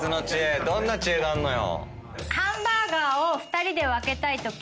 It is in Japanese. どんな知恵があんのよ？